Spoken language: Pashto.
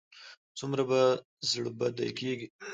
څومره به زړه بدی کېږي.